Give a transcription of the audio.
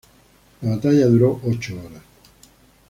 La batalla duró ocho horas.